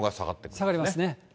下がりますね。